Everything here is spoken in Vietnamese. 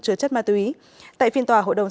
chứa chất ma túy tại phiên tòa hội đồng